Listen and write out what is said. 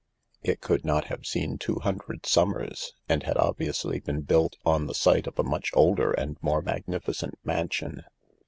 It could not have seen two hundred summers, and had obviously been built on the site of a much older and more magnificent mansion.